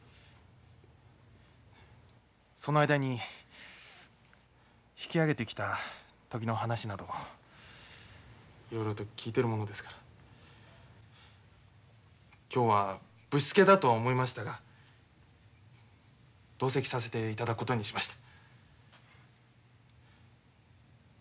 その間に引き揚げてきた時の話などいろいろと聞いてるものですから今日はぶしつけだとは思いましたが同席させていただくことにしました。